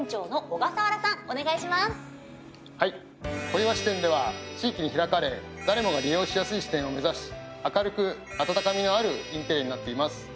小岩支店では「地域に開かれ誰もが利用しやすい支店」を目指し明るく温かみのあるインテリアになっています。